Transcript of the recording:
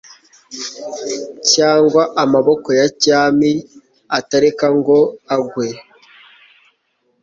Cyangwa amaboko ya cyami atareka ngo agwe